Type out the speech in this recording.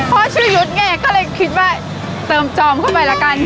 ชื่อยุทธ์ไงก็เลยคิดว่าเติมจอมขึ้นไปละกัน